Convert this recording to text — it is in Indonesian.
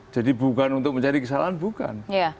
jadi bukan untuk mencari kesalahan bukan